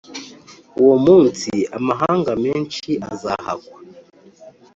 Uwo munsi amahanga menshi azahakwa